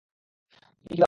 আর তুমি কিইবা করো?